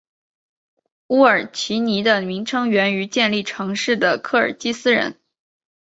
乌尔齐尼的名称源于建立城市的科尔基斯人。